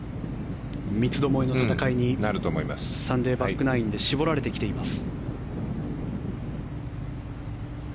三つどもえの戦いにサンデーバックナインで絞られてきています。